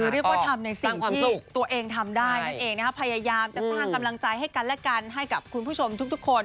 เรียกว่าทำในสิ่งที่ตัวเองทำได้นั่นเองนะครับพยายามจะสร้างกำลังใจให้กันและกันให้กับคุณผู้ชมทุกคน